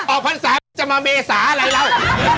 ออกปันสาจะมาเบสาอะไรแล้ว